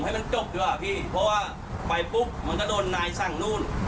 ให้มันจบดีกว่าพี่เพราะว่าไปปุ๊บมันก็โดนนายสั่งนู่น